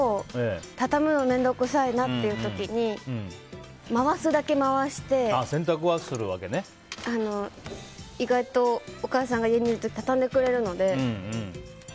畳むの面倒くさいなという時回すだけ回して意外とお母さんが家にいる時畳んでくれるので。